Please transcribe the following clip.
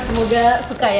semoga suka ya enjoy ya